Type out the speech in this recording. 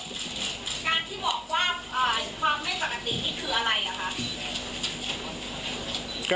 การที่บอกว่าความไม่ปกตินี่คืออะไรอ่ะคะ